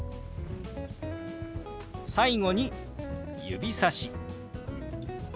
最後に指さし。